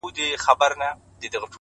تا څنگه زه ما څنگه ته له ياده وايستلې